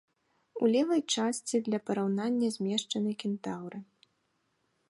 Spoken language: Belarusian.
У левай частцы для параўнання змешчаны кентаўры.